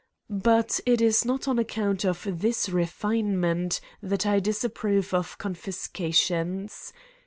But it is not on ac count of this refinement that I disapprove of con fiscations.